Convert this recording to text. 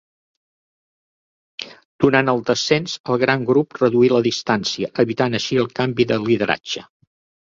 Durant el descens el gran grup reduí la distància, evitant així el canvi de lideratge.